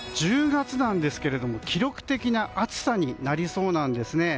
１０月なんですけど記録的な暑さになりそうです。